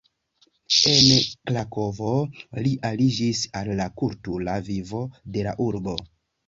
En Krakovo li aliĝis al la kultura vivo de la urbo.